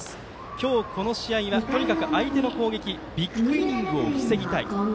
今日、この試合はとにかく相手の攻撃ビッグイニングを防ぎたい。